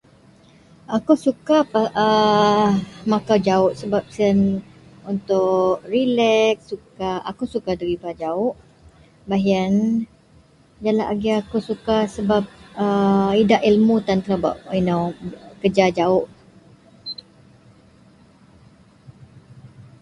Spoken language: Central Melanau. Aku suka makau jauk sebab untuk releks jalak agei aku suka idak tan ilmu telo kerja jauk.